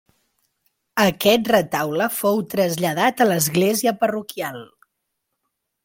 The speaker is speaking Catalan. Aquest retaule fou traslladat a l'església parroquial.